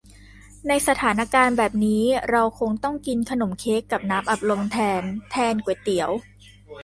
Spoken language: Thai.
ในสถานการณ์แบบนี้ เราคงต้องกินขนมเค้กกับน้ำอัดลมแทนแทนก๋วยเตี๋ยว